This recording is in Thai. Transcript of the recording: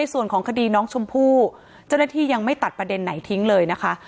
ส่วนของคดีน้องชมพู่เจ้าหน้าที่ยังไม่ตัดประเด็นไหนทิ้งเลยนะคะ